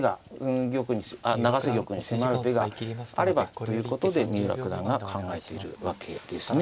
永瀬玉に迫る手があればということで三浦九段が考えているわけですね。